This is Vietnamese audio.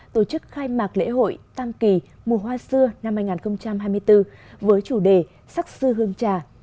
tổ chức khai mạc lễ hội tam kỳ mùa hoa xưa năm hai nghìn hai mươi bốn với chủ đề sắc sư hương trà